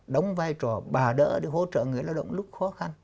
đóng vai trò bà đỡ để hỗ trợ người lao động lúc khó khăn